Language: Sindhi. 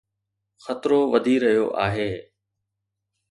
خطرو وڌي رهيو آهي